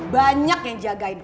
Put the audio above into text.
banyak yang jagain